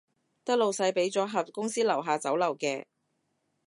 得老細畀咗盒公司樓下酒樓嘅